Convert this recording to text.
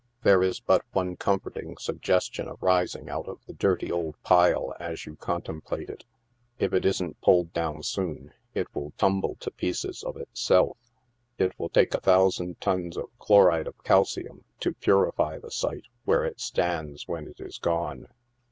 There is but one comforting suggestion arising out of the dirty old pile, as you con template it. If it isn't pulled down soon, it will tumble to pieces of itself. It will take a thousand tons of chloride of calcium to purify the site where it stands when it i3 gone.